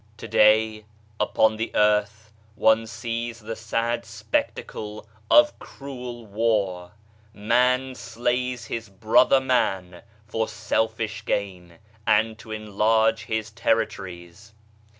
To day, upon the earth, one sees the sad spectacle of cruel war ! Man slays his brother man for selfish gain, and to enlarge his territories